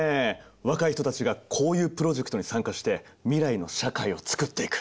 若い人たちがこういうプロジェクトに参加して未来の社会を作っていく。